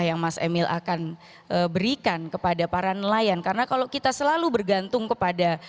yang mas emil akan berikan kepada para nelayan karena kalau kita selalu bergantung kepada